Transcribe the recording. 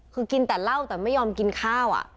คือกินแต่เหล้าแต่ไม่ยอมกินข้าว